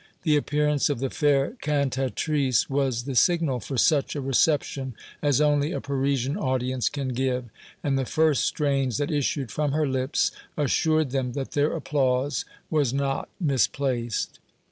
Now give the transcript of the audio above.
The appearance of the fair cantatrice was the signal for such a reception as only a Parisian audience can give, and the first strains that issued from her lips assured them that their applause was not misplaced.